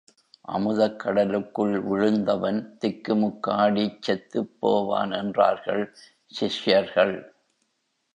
அமுதக் கடலுக்குள் விழுந்தவன் திக்குமுக்காடிச் செத்துப் போவான் என்றார்கள் சிஷ்யர்கள்.